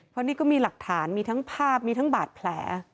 เพราะนี่ก็มีหลักฐานมีทั้งภาพมีทั้งบาดแผล